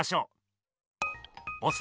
ボス